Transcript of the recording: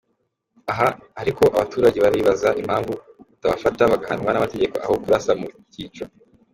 Aha ariko abaturage baribaza impamvu batabafata bagahanwa n’amategeko aho kurasa mu kico.